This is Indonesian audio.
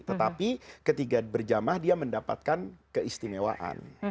tetapi ketika berjamah dia mendapatkan keistimewaan